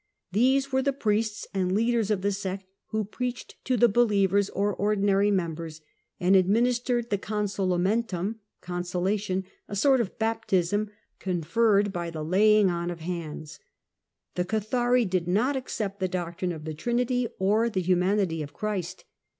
These were the priests and leaders of the sect, who preached, to the "believers," or ordinary members, and administered the consolamentum, (consolation), a sort of baptism, conferred by the laying on of hands. The " Cathari " did not accept the doctrine of the Trinity, or the Humanity of Christ.